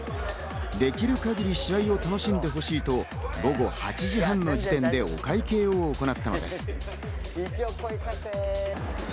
できる限り試合を楽しんでほしいと午後８時半の時点でお会計を行ったのです。